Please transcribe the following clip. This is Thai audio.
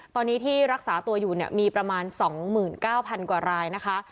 ตอนนี้ที่รักษาตัวอยู่มีประมาณ๒๙๐๐กว่ารายนะคะ